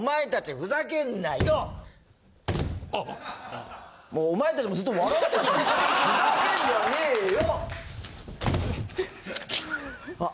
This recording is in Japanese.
ふざけんじゃねえよ！